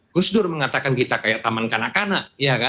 gus dur mengatakan kita kayak taman kanak kanak